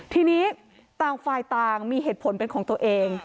ทีนี้ต่างฝ่ายต่างมีเหตุผลเป็นของตัวเอง